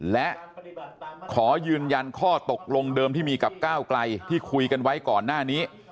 และขอยืนยันข้อตกลงเดิมที่มีกับก้าวไกลที่คุยกันไว้ก่อนหน้านี้